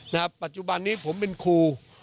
นะครับปัจจุบันนี้ผมเป็นครู